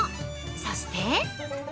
そして。